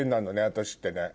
私ってね。